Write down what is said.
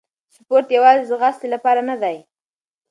سپورت یوازې د ځغاستې لپاره نه دی.